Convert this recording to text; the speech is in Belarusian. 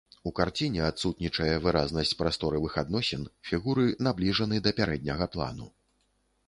У карціне адсутнічае выразнасць прасторавых адносін, фігуры набліжаны да пярэдняга плану.